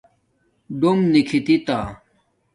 دُݸم نِکھی تݳ